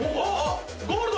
ゴールド！